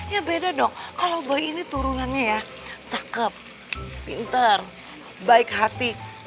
ya beda dong kalau bayi ini turunannya ya cakep pinter baik hati